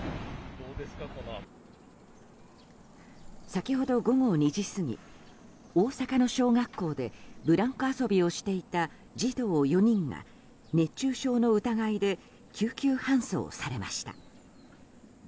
先ほど午後２時過ぎ大阪の小学校でブランコ遊びをしていた児童４人が熱中症の疑いで救急搬送されました。